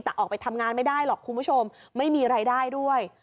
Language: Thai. แต่ออกไปทำงานไม่ได้หรอกคุณผู้ชมไม่มีรายได้ด้วย